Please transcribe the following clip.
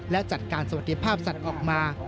และจัดการสวัสดิภาพสัตว์ออกมา